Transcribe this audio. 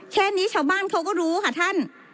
แค่นี้ชาวบ้านเขาก็รู้ค่ะท่าน